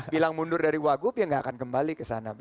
bilang mundur dari wagub ya nggak akan kembali ke sana